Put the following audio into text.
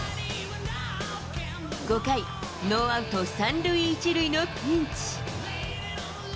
５回、ノーアウト３塁１塁のピンチ。